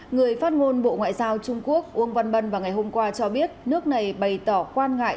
người phát ngôn bộ ngoại giao trung quốc uông văn bân vào ngày hôm qua cho biết nước này bày tỏ quan ngại